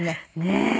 ねえ。